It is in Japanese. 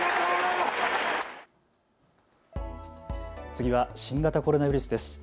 次は新型コロナウイルスです。